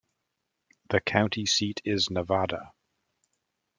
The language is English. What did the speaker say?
The county seat is Nevada.